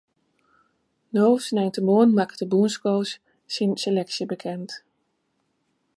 No sneintemoarn makket de bûnscoach syn seleksje bekend.